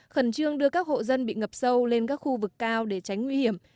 khẩn trương đưa các hộ dân bị ngập sâu lên các khu vực cao để tránh nguy hiểm